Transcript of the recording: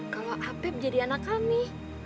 kalau apeb jadi anak kami